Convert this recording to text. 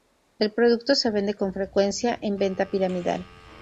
El producto se vende con frecuencia en venta piramidal.